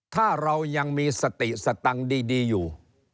ถ้าเรายังมีสติสตังค์ดีอยู่